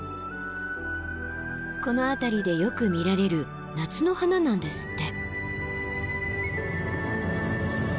この辺りでよく見られる夏の花なんですって。